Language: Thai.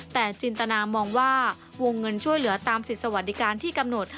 แต่จินตนามองว่าวงเงินช่วยเหลือตามสิทธิสวัสดิการที่กำหนด